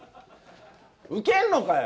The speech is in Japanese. ウケるのかよ。